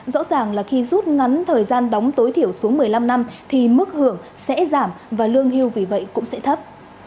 rõ ràng là khi rút ngắn thời gian đóng tối thiểu xuống một mươi năm năm thì mức hưởng sẽ giảm và lương hưu vì vậy cũng sẽ thấp